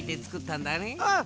うん。